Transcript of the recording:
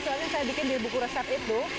soalnya saya bikin di buku resep itu